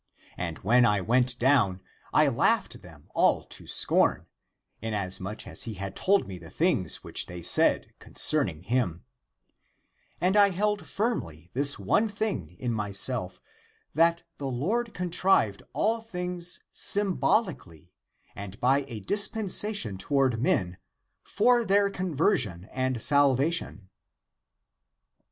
And when I went down, I laughed them all to scorn, inasmuch as he had told me the things which they said concerning him ; and I held firmly this one thing in myself, that the Lord contrived all things symbolically and by a dispensation toward men, for their conversion and salvation.